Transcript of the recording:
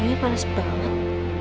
eh badannya panas banget